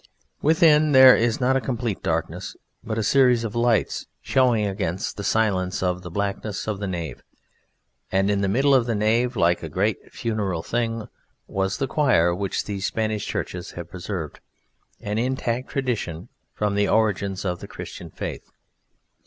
Within, there is not a complete darkness, but a series of lights showing against the silence of the blackness of the nave; and in the middle of the nave, like a great funeral thing, was the choir which these Spanish churches have preserved, an intact tradition, from the origins of the Christian Faith.